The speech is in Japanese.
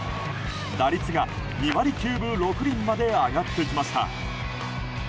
打率が２割９分６厘まで上がってきました。